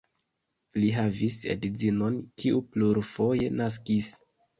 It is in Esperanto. Li havis edzinon, kiu plurfoje naskis.